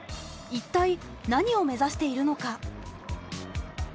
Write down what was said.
一体なにを目指しているのか。